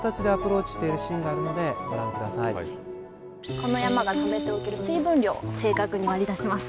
この山がためておける水分量を正確に割り出します。